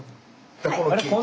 あれ？